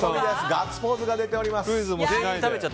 ガッツポーズが出ております。